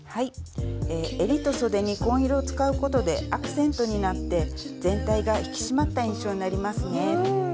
えりとそでに紺色を使うことでアクセントになって全体が引き締まった印象になりますね。